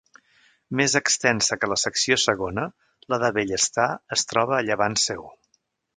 Més extensa que la secció segona, la de Bellestar, es troba a llevant seu.